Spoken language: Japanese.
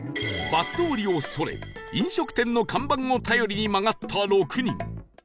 バス通りをそれ飲食店の看板を頼りに曲がった６人